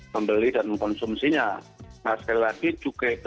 mengkonsumsinya nah sekali lagi cukai itu